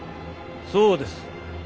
そうです。